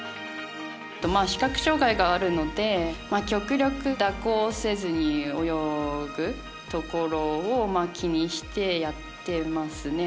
視覚障がいがあるので極力蛇行せずに泳ぐところを気にしてやってますね。